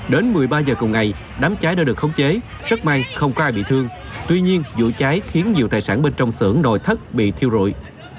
đến một mươi ba giờ cùng ngày đám cháy đã được khống chế rất may không có ai bị thương tuy nhiên vụ cháy khiến nhiều tài sản bên trong xưởng nội thất bị thiêu rụi